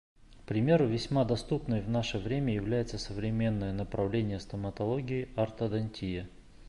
К примеру весьма доступной в наше время является современное направление стоматологии - Ортодонтия.